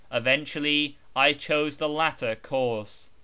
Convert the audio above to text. Eventually I chose the latter course.